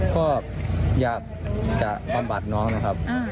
ก็อยากจะบำบัดน้องนะครับ